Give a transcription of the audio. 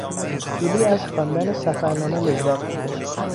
جولی از خواندن سفر نامه لذت میبرد.